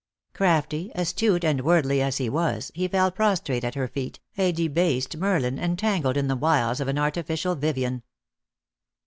Crafty, astute and worldly as he was, he fell prostrate at her feet, a debased Merlin entangled in the wiles of an artificial Vivien.